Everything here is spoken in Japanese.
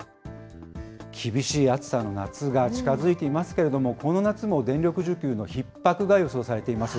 厳しい暑さの夏が近づいていますけれども、この夏も電力需給のひっ迫が予想されています。